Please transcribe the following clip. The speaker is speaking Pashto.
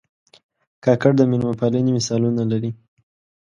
کاکړ د مېلمه پالنې مثالونه لري.